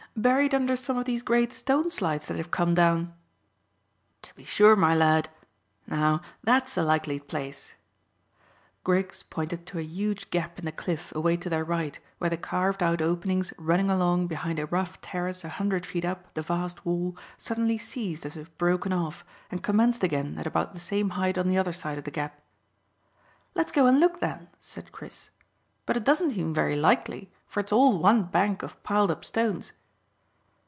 "Buried under some of these great stone slides that have come down?" "To be sure, my lad. Now, that's a likely place." Griggs pointed to a huge gap in the cliff away to their right where the carved out openings running along behind a rough terrace a hundred feet up the vast wall suddenly ceased as if broken off, and commenced again at about the same height on the other side of the gap. "Let's go and look, then," said Chris; "but it doesn't seem very likely, for it's all one bank of piled up stones."